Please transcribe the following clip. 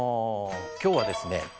今日はですね